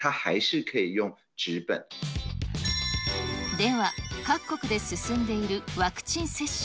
では、各国で進んでいるワクチン接種。